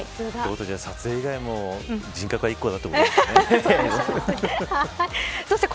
撮影以外も人格は１個だと思いますけどね。